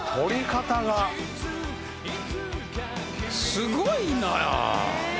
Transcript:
すごいな！